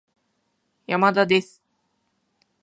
山田です